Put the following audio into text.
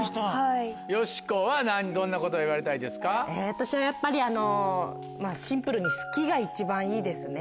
私はやっぱりあのシンプルに「好き」が一番いいですね。